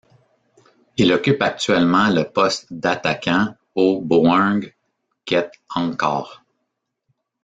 Il occupe actuellement le poste d'attaquant au Boeung Ket Angkor.